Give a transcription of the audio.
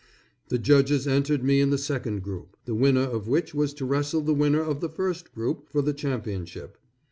The judges entered me in the second group, the winner of which was to wrestle the winner of the first group for the championship.